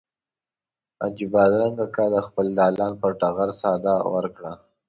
حاجي بادرنګ اکا د خپل دالان پر ټغر ساه ورکړه.